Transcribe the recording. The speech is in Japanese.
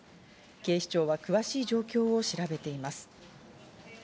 警視庁は詳しい状況を調べています。